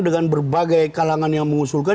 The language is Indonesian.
dengan berbagai kalangan yang mengusulkan